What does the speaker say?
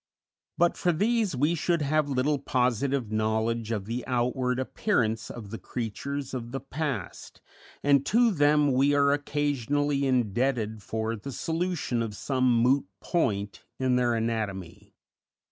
But for these we should have little positive knowledge of the outward appearance of the creatures of the past, and to them we are occasionally indebted for the solution of some moot point in their anatomy.